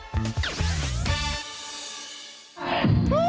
วันนี้ก็เป็นการประเดิมถ่ายเพลงแรก